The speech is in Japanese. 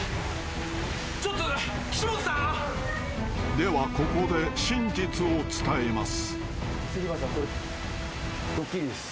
ではここで真実を伝えます］